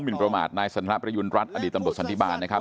หมิ่นประมาทนายสันทนาประยุณรัฐอดีตตบสันทิบาลนะครับ